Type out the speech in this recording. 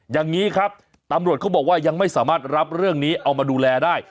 อย่างนี้ครับตำรวจเขาบอกว่ายังไม่สามารถรับเรื่องนี้เอามาดูแลได้